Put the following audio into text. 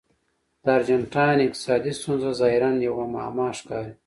د ارجنټاین اقتصادي ستونزه ظاهراً یوه معما ښکاري.